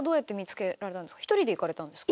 一人で行かれたんですか？